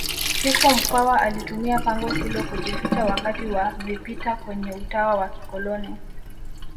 chifu mkwawa alitumia pango hilo kujificha wakati wa vipita kwenye utawa wa kikoloni